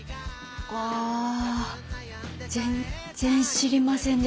あ全然知りませんでした。